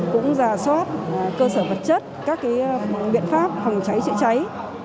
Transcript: cũng giả soát cơ sở vật chất các biện pháp phòng cháy chữa cháy